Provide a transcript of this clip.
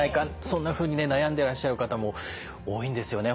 そんなふうに悩んでらっしゃる方も多いんですよね